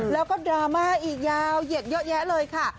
แล้วดรามาอีกยาวเย็ดเลยค่ะ